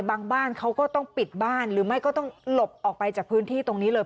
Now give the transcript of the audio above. บ้านเขาก็ต้องปิดบ้านหรือไม่ก็ต้องหลบออกไปจากพื้นที่ตรงนี้เลย